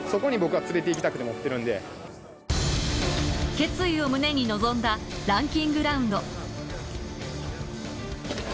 決意を胸に臨んだランキングラウンド。